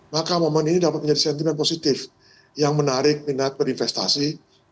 maka momen ini dapat menjadi sentimen positif yang menarik minat berinvestasi